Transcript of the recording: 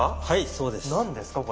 はいそうです。